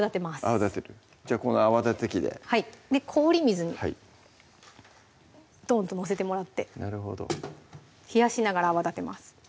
泡立てるじゃあこの泡立て器ではいで氷水にドンと載せてもらってなるほど冷やしながら泡立てます